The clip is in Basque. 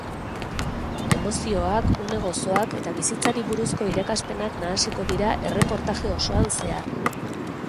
Emozioak, une gozoak eta bizitzari buruzko irakaspenak nahasiko dira erreportaje osoan zehar.